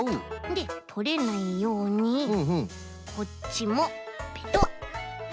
でとれないようにこっちもペトッ。